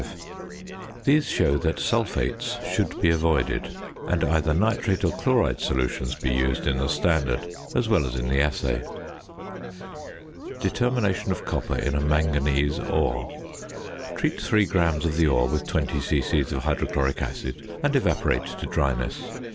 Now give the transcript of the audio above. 5 +++ These show that sulphates should be avoided, and either nitrate or chloride solutions be used in the standard as well as in the assay. ~Determination of Copper in a Manganese Ore.~ Treat 3 grams of the ore with 20 c.c. of hydrochloric acid, and evaporate to dryness.